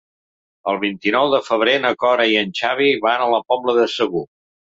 El vint-i-nou de febrer na Cora i en Xavi van a la Pobla de Segur.